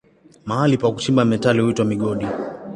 Mahali pa kuchimba metali huitwa migodi.